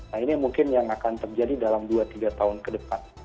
nah ini mungkin yang akan terjadi dalam dua tiga tahun ke depan